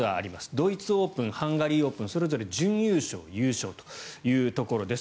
ドイツオープンハンガリーオープンそれぞれ準優勝、優勝というところです。